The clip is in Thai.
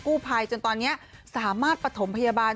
ภัยจนตอนนี้สามารถปฐมพยาบาล